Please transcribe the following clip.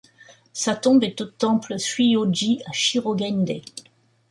Sa tombe est au temple Zuisho-ji à Shirogane-dai.